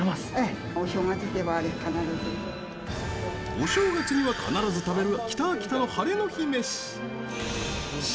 お正月には必ず食べる北秋田市民のハレの日めし。